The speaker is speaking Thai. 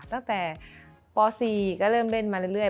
ตั้งแต่ป๔ก็เริ่มเล่นมาเรื่อย